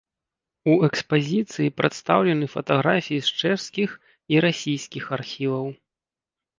У экспазіцыі прадстаўлены фатаграфіі з чэшскіх і расійскіх архіваў.